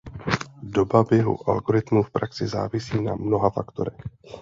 Doba běhu algoritmu v praxi závisí na mnoha faktorech.